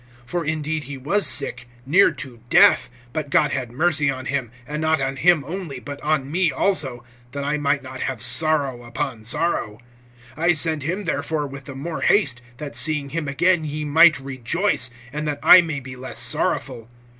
(27)For indeed he was sick near to death; but God had mercy on him, and not on him only, but on me also, that I might not have sorrow upon sorrow. (28)I sent him therefore with the more haste, that seeing him again ye might rejoice, and that I may be less sorrowful.